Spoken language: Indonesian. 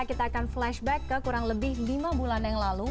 kita akan flashback ke kurang lebih lima bulan yang lalu